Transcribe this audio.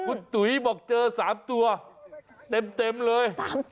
คุณตุ๋ยบอกเจอ๓ตัวเต็มเลย